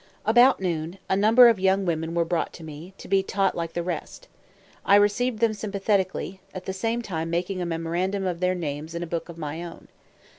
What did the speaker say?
About noon, a number of young women were brought to me, to be taught like the rest. I received them sympathetically, at the same time making a memorandum of their names in a book of my own.